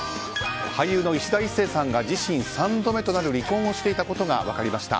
俳優のいしだ壱成さんが自身３度目となる離婚をしていたことが分かりました。